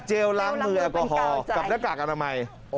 ล้างมือแอลกอฮอล์กับหน้ากากอนามัย